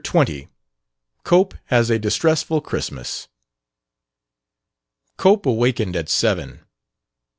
20 COPE HAS A DISTRESSFUL CHRISTMAS Cope awakened at seven.